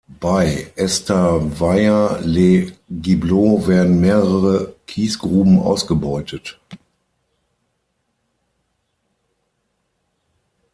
Bei Estavayer-le-Gibloux werden mehrere Kiesgruben ausgebeutet.